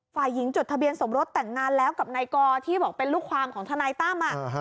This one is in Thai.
ฝ่ายหญิงจดทะเบียนสมรสแต่งงานแล้วกับนายกอที่บอกเป็นลูกความของทนายตั้ม